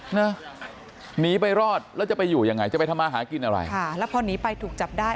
นะหนีไปรอดแล้วจะไปอยู่ยังไงจะไปทำมาหากินอะไรค่ะแล้วพอหนีไปถูกจับได้